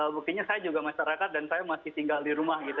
buktinya saya juga masyarakat dan saya masih tinggal di rumah gitu